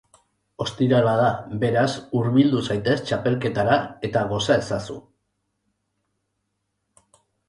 Ostirala da, beraz, hurbildu zaitez txapelketara eta goza ezazu!